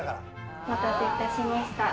お待たせいたしました。